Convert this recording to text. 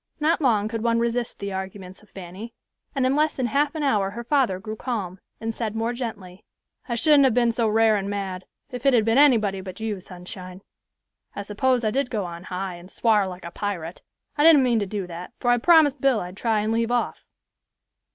Not long could one resist the arguments of Fanny; and in less than half an hour her father grew calm, and said more gently, "I shouldn't have been so rarin' mad, if it had been anybody but you, Sunshine. I s'pose I did go on high, and swar like a pirate. I didn't mean to do that, for I promised Bill I'd try and leave off."